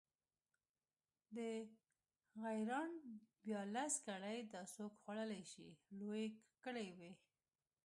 د غیراڼ بیا لس کړۍ، دا څوک خوړلی شي، لویې کړۍ وې.